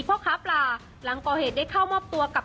เพราะข้าวปลาหลังเกอร์เหตุได้เข้ามอบตัวกับ